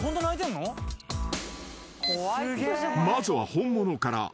［まずは本物から］